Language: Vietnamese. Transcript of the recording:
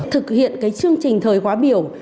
thực hiện cái chương trình thời khóa biểu